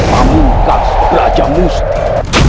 pemungkas raja musti